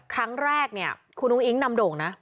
ครั้งแรกเนี่ยคุณอุ้งอิ๊งนำโด่งนะ